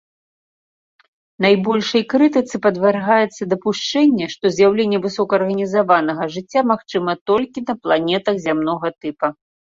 Найбольшай крытыцы падвяргаецца дапушчэнне, што з'яўленне высокаарганізаванага жыцця магчыма толькі на планетах зямнога тыпа.